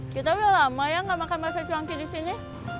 kita udah lama ya gak makan bahasa cuangki disini